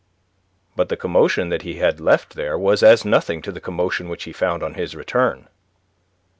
But the commotion that he had left there was as nothing to the commotion which he found on his return.